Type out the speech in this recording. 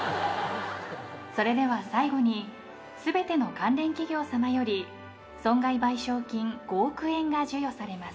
それでは最後に全ての関連企業さまより損害賠償金５億円が授与されます。